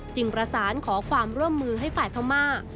ประสานขอความร่วมมือให้ฝ่ายพม่า